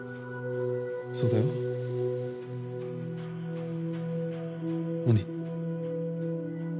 そうだよ。何？